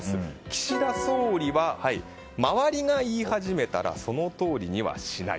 岸田総理は周りが言い始めたらそのとおりにはしない。